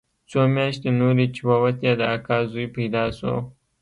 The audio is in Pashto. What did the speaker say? څو مياشتې نورې چې ووتې د اکا زوى پيدا سو.